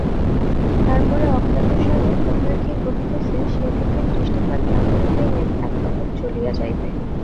তার পরে অজ্ঞাতসারে অন্যের কী ঘটিতেছে সে দিকে দৃষ্টিপাত না করিলেই একরকম চলিয়া যাইবে।